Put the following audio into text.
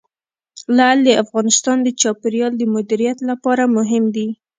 لعل د افغانستان د چاپیریال د مدیریت لپاره مهم دي.